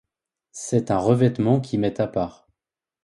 C'est un revêtement qui met à part.